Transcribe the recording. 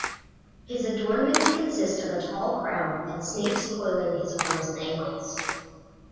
His adornments consist of a tall crown and snakes coiling his arms and ankles.